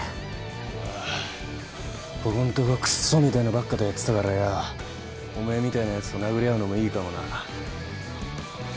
おうここんとこクソみてえのばっかとやってたからよおめえみたいなやつと殴り合うのもいいかもな。